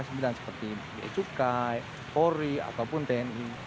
seperti bsuk kori ataupun tni